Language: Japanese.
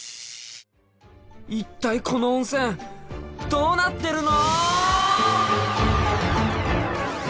一体この温泉どうなってるの！